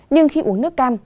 nhưng khi uống nước cam